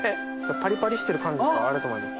パリパリしてる感じがあると思います。